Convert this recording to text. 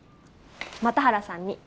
又原さんに。